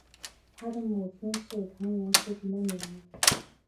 他的母亲是藤原时平的女儿。